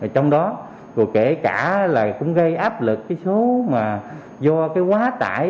trong đó kể cả là cũng gây áp lực cái số mà do cái quá tải